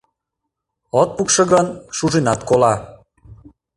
От пукшо гын, шуженат кола.